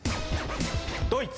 ドイツ。